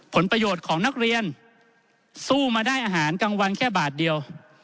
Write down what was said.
ผลประโยชน์ของนักเรียนสู้มาได้อาหารกลางวันแค่บาทเดียว